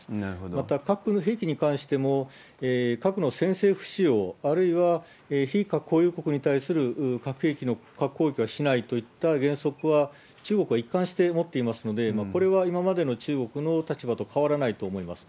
また、核兵器に関しても、核の先制不使用、あるいは、非核保有国に対する核兵器の核攻撃はしないといった原則は中国は一貫して持っていますので、これは今までの中国の立場と変わらないと思います。